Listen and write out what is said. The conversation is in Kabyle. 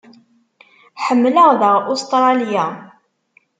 Ḥemmleɣ daɣ Ustṛalya.